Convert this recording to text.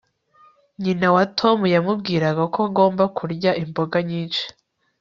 nyina wa tom yamubwiraga ko agomba kurya imboga nyinshi